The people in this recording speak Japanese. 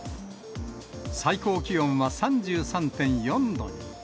最高気温は３３．４度に。